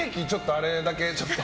あれだけ、ちょっと。